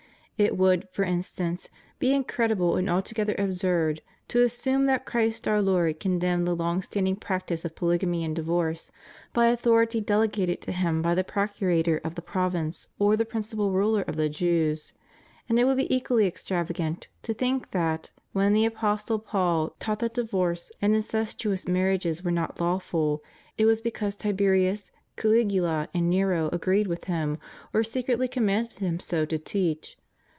It would, for instance, be incredible and alto gether absurd to assume that Christ our Lord condemned the long standing practice of polygamy and divorce by authority delegated to Him by the procurator of the prov ince, or the principal ruler of the Jews. And it would be equally extravagant to think that, when the Apostle Paul taught that divorces and incestuous marriages were not lawful, it was because Tiberius, Cahgula, and Nero agreed with him or secretly commanded him so to teach.